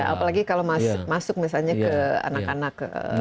apalagi kalau masuk misalnya ke anak anak